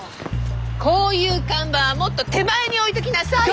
こういう看板はもっと手前に置いときなさいよ！